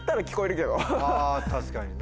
確かにね。